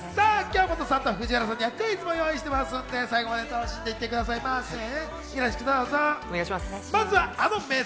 京本さんと藤原さんにはクイズもご用意してますので、最後まで楽しんでいってくださいね。